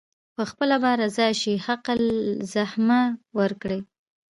پخپله به راضي شي حق الزحمه ورکړي.